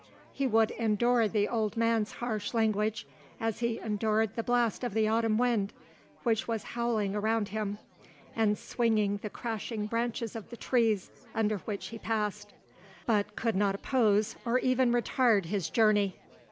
He would endure the old man's harsh language, as he endured the blast of the autumn wind, which was howling around him, and swinging the crashing branches of the trees under which he passed, but could not oppose, or even retard, his journey.